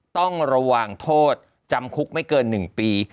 ต้องระวังโทษจำคุกไม่เกิน๑ปี